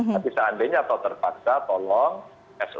tapi seandainya atau terpaksa tolong sop